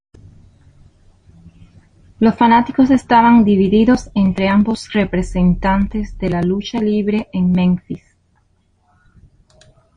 Los fanáticos estaban divididos entre ambos representantes de la lucha libre en Memphis.